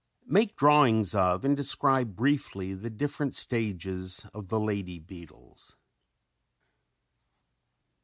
Make drawings of and describe briefly the different stages of the lady beetles.